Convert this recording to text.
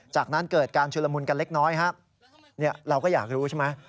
จากนั้นเกิดการชุลมุนกันเล็กน้อยฮะเราก็อยากรู้ใช่ไหม